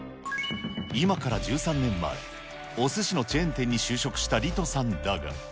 今から１３年前、おすしのチェーン店に就職したリトさんだが。